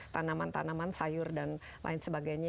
tanaman tanaman sayur dan lain sebagainya